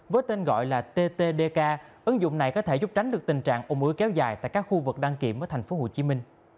với tên gọi là ttdk ứng dụng này có thể giúp tránh được tình trạng ủng ứ kéo dài tại các khu vực đăng kiểm ở tp hcm